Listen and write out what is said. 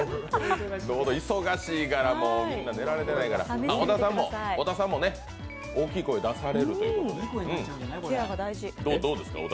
忙しいから、みんな寝られてないから、小田さんもね、大きい声を出されるということで。